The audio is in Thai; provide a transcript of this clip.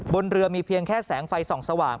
บนเรือมีเพียงแค่แสงไฟส่องสว่าง